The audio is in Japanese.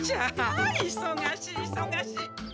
ああいそがしいいそがしい。